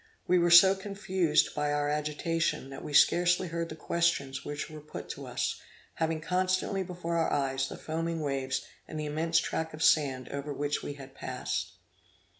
We were so confused by our agitation, that we scarcely heard the questions which were put to us, having constantly before our eyes the foaming waves and the immense tract of sand over which we had passed.